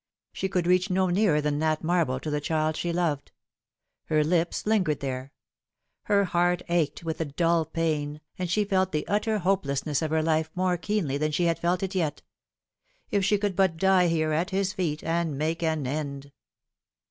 She could reach no nearer than that marble to the child she loved. Her lips lingered there. Her heart ached with a dull pain, and she felt the utter hopeless ness of her life more keenly than she had felt it yet. If she could but die there, at his feet, and make an end